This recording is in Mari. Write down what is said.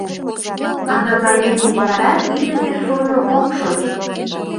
Агавайрем деч вара ӱдымӧ шурно ок шоч.